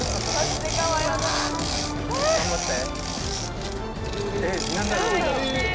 頑張って。